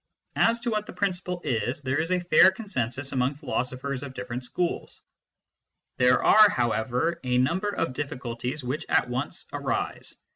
As to what the principle is, there is a fair consensus among philosophers of different schools. There are, however, a number of difficulties which at once arise.